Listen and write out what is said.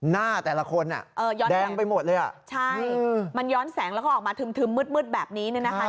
นี่